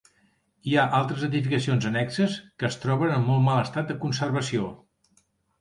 Hi ha altres edificacions annexes, que es troben en molt mal estat de conservació.